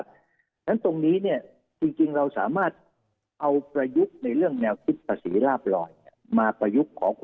ฉะนั้นตรงนี้ที่จริงเราสามารถเอาประยุกต์ในเรื่องแนวคิดภาษีราบรอย